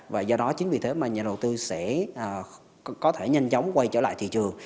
và do đó chính vì thế mà nhà đầu tư sẽ có thể nhanh chóng quay trở lại thị trường